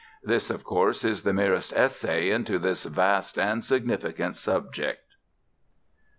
This, of course, is the merest essay into this vast and significant subject.